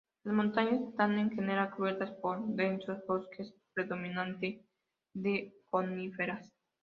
Las montañas están en general cubiertas por densos bosques, predominantemente de coníferas.